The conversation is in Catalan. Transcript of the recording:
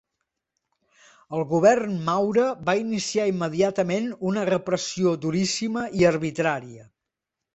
El govern Maura va iniciar immediatament una repressió duríssima i arbitrària.